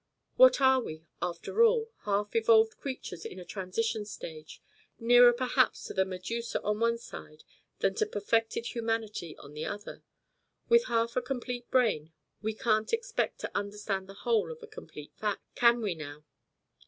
What are we, after all? Half evolved creatures in a transition stage, nearer perhaps to the Medusa on the one side than to perfected humanity on the other. With half a complete brain we can't expect to understand the whole of a complete fact, can we, now?